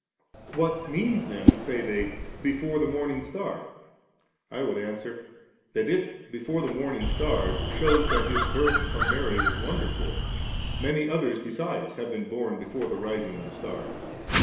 28. What means then, say they, ' Before the morning star ?' I would answer, that if * Before the morning star' shews that His birth from Mary was wonderful, many others besides have been bom before the rising of the star.